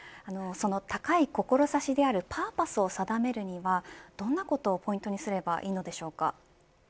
高い志であるパーパスを定めるにはどんなことをポイントにすればよいのでしょうか。